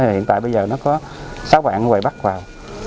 hiện tại bây giờ nó có sáu bạn ở quầy bắc vào